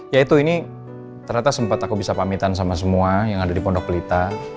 ya itu ini ternyata sempat aku bisa pamitan sama semua yang ada di pondok pelita